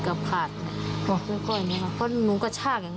ก็หนูกระชากแรง